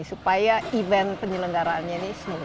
supaya event penyelenggaraannya ini semua